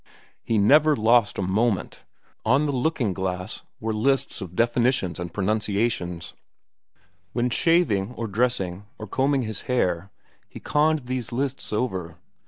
He never lost a moment. On the looking glass were lists of definitions and pronunciations; when shaving, or dressing, or combing his hair, he conned these lists over.